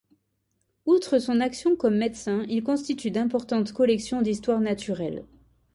Outre son action comme médecin, il constitue d’importantes collections d’histoire naturelle.